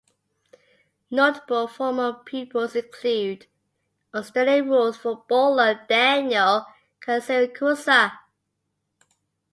Notable former pupils include Australian rules footballer Daniel Giansiracusa.